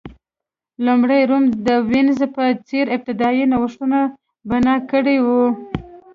لومړی روم د وینز په څېر ابتدايي نوښتونه بنا کړي وو